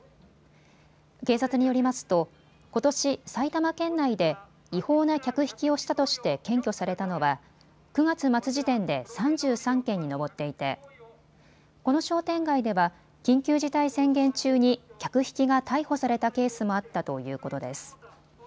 警察によりますとことし埼玉県内で違法な客引きをしたとして検挙されたのは９月末時点で３３件に上っていてこの商店街では緊急事態宣言中に客引きが逮捕されたケースもあったということです。